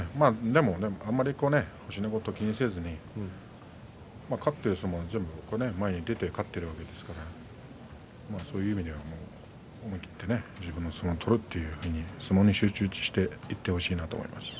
でも、あまり星のことは気にせず勝っている相撲は全部前に出て勝っているわけですからそういう意味では思い切って自分の相撲を取ると、相撲に集中していってほしいなと思います。